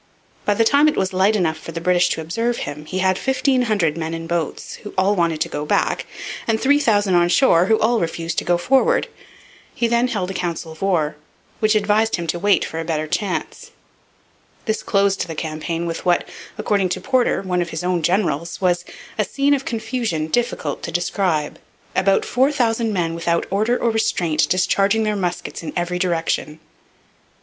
By the time it was light enough for the British to observe him he had fifteen hundred men in boats, who all wanted to go back, and three thousand on shore, who all refused to go forward. He then held a council of war, which advised him to wait for a better chance. This closed the campaign with what, according to Porter, one of his own generals, was 'a scene of confusion difficult to describe: about four thousand men without order or restraint discharging their muskets in every direction.'